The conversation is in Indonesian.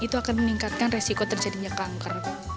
itu akan meningkatkan resiko terjadinya kanker